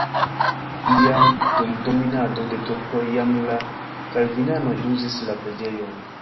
Iam dum dominado de turkoj jam la kalvinanoj uzis la preĝejon.